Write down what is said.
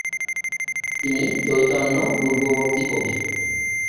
তিনি চৈতন্য-পূর্ববর্তী কবি।